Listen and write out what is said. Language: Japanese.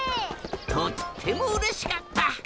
とってもうれしかった！